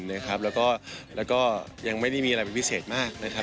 แล้วก็ยังไม่ได้มีอะไรเป็นพิเศษมากนะครับ